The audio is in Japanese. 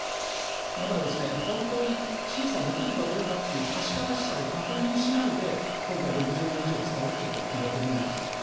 だからですね、本当に審査できるかどうかという確からしさを確認しないで、今回、６０年以上、使うということを決めてるんですよ。